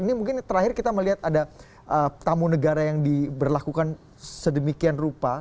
ini mungkin terakhir kita melihat ada tamu negara yang diberlakukan sedemikian rupa